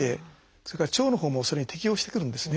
それから腸のほうもそれに適応してくるんですね。